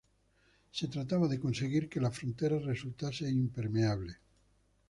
Se trataba de conseguir que la frontera resultase impermeable.